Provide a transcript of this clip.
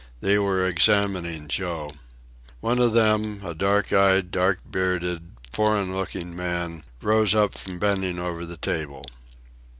They were examining Joe. One of them, a dark eyed, dark bearded, foreign looking man, rose up from bending over the table.